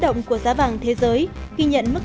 động của giá vàng thế giới khi nhận mức